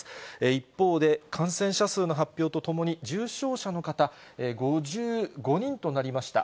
一方で、感染者数の発表とともに重症者の方、５５人となりました。